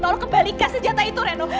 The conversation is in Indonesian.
tolong kembalikan senjata itu reno